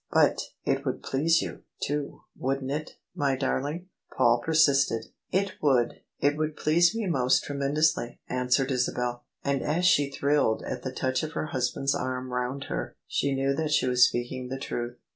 "" But it would please you, too, wouldn't it, my darling? " Paul persisted. " It would ; it would please me most tremendously," an swered Isabel. And as she thrilled at the touch of her hus band's arm round her, she knew that she was speaking the truth.